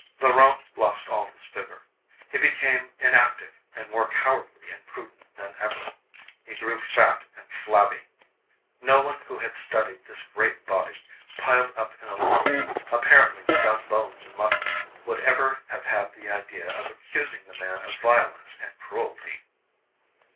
Laurent lost all his vigor. He became inactive, and more cowardly and prudent than ever. He grew fat and flabby. No one who had studied this great body, piled up in a lump, apparently without bones or muscles, would ever have had the idea of accusing the man of violence and cruelty.